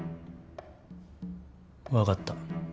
分かった。